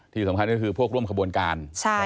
ที่สำคัญก็คือพวกร่วมขบวนการ